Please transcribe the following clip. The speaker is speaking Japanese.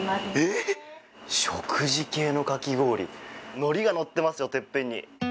のりが乗ってますよてっぺんに。